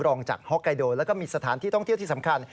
รองจากฮอกไกโดแล้วก็มีสถานที่ท่องเที่ยวที่สำคัญ